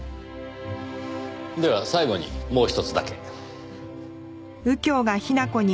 では最後にもうひとつだけ。